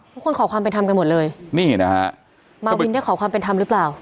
ขอความเป็นธรรมกันหมดเลยนี่นะฮะมาวินได้ขอความเป็นธรรมหรือเปล่า